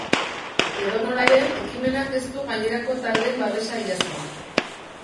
Edonola ere, ekimenak ez du gainerako taldeen babesa jaso.